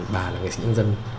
bà là nghệ sĩ nhân dân